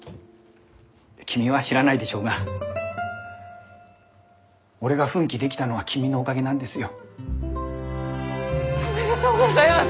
君は知らないでしょうが俺が奮起できたのは君のおかげなんですよ。おめでとうございます！